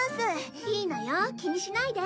いいのよ気にしないで。